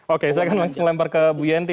oke saya akan langsung melempar ke bu yenty